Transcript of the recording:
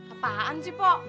apaan sih pok